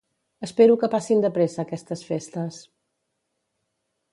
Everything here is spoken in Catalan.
Espero que passin de pressa aquestes festes